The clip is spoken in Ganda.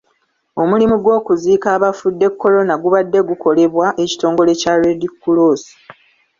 Omulimu gw'okuziika abafudde korona gubadde gukolebwa ekitongole kya Reedi Kkuloosi .